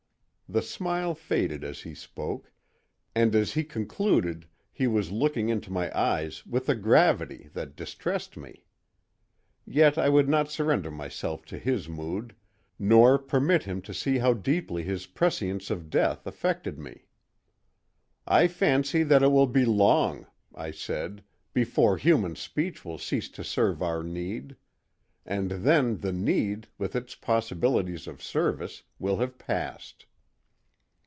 The smile faded as he spoke, and as he concluded he was looking into my eyes with a gravity that distressed me. Yet I would not surrender myself to his mood, nor permit him to see how deeply his prescience of death affected me. "I fancy that it will be long," I said, "before human speech will cease to serve our need; and then the need, with its possibilities of service, will have passed."